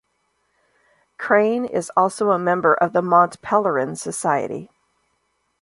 Crane is also a member of the Mont Pelerin Society.